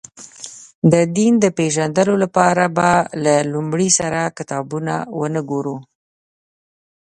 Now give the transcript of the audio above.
د دین د پېژندلو لپاره به له لومړي سره کتابونه ونه ګورو.